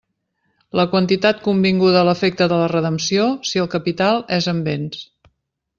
La quantitat convinguda a l'efecte de la redempció, si el capital és en béns.